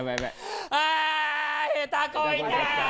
ああ下手こいた。